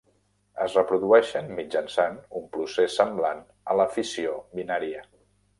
Es reprodueixen mitjançant un procés semblant a la fissió binària.